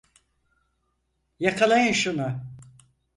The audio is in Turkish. Yakalayın şunu!